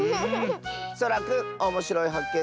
そらくんおもしろいはっけん